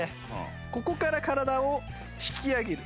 ここから体を引き上げる。